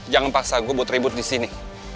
jangan paksa gue buat ribut disini